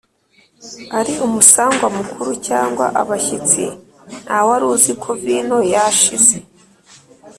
Ari umusangwa mukuru cyangwa abashyitsi nta wari uzi ko vino yashize